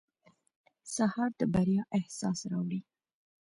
سهار د بریا احساس راوړي.